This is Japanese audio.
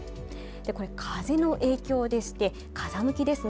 これ風の影響でして風向きですね